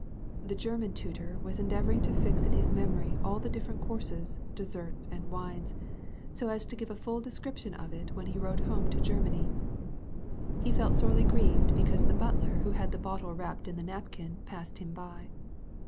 The German tutor was endeavoring to tix in his memory all the different courses, desserts, and wines, 80 as to give a full description of it when he wrote home to Germany; he felt sorely grieved because the butler who had the bottle wrapped in the napkin passed him by.